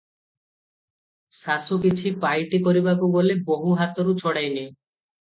ଶାଶୁ କିଛି ପାଇଟି କରିବାକୁ ଗଲେ ବୋହୂ ହାତରୁ ଛଡ଼ାଇନିଏ ।